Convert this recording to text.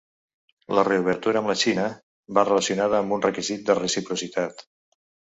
La reobertura amb la Xina va relacionada amb un requisit de reciprocitat.